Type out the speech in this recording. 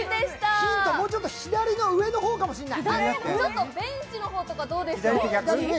ヒント、もうちょっと左の方かもしれない。